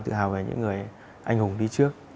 tự hào về những người anh hùng đi trước